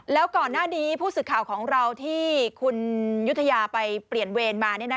แล้วก่อนหน้านี้ผู้สื่อข่าวของเราที่คุณยุธยาไปเปลี่ยนเวรมา